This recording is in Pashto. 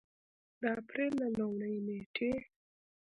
د اپرېل له لومړۍ نېټې